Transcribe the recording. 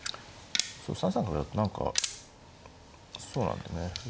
３三角だと何かそうなんだよね。